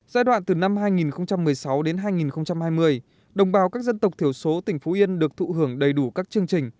giai đoạn từ năm hai nghìn một mươi sáu đến hai nghìn hai mươi đồng bào các dân tộc thiểu số tỉnh phú yên được thụ hưởng đầy đủ các chương trình